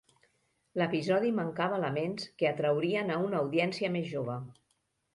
L'episodi mancava elements que atraurien a una audiència més jove.